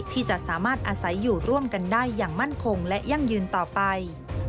ที่จะสามารถอาศัยอยู่ร่วมกันได้อย่างมั่นคงและยั่งยืนต่อไป